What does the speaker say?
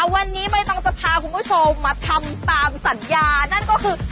วันนี้ใบตองจะพาคุณผู้ชมมาทำตามสัญญานั่นก็คือ